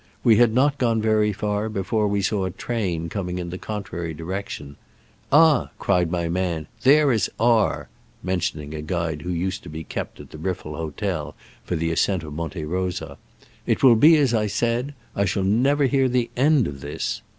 We had not gone very f^r before we saw a train coming in the contrary direction. Ah !" cried my man, "there is R " (mentioning a guide who used to be kept at the Riffel hotel for the ascent of Monte Rosa): "it will be as I said — I shall never hear the end of this."